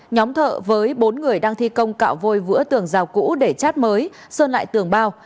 nhóm thợ với bốn người đang thi công cạo vôi vữa tường rào cũ để chát mới sơn lại tường bao